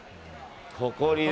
ここにね